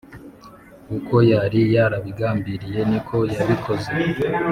uko yari yarabigambiriye niko yabikoze